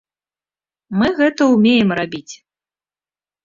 Мы гэта ўмеем рабіць.